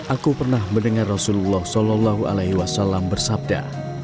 aku pernah mendengar rasulullah saw bersabda